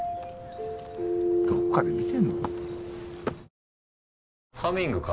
どっかで見てんの？